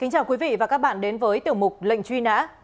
xin chào quý vị và các bạn đến với tiểu mục lệnh truy nã